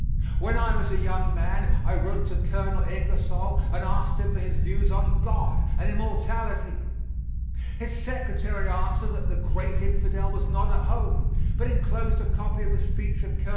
When I was a young man I wrote to Colonel Ingersoll and asked him for his views on God and immortality. His secretary answered that the great infidel was not at home, but enclosed a copy of a speech of Col.